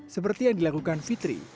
seperti yang dilakukan fitri